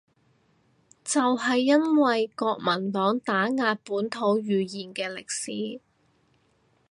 就係因為國民黨打壓本土語言嘅歷史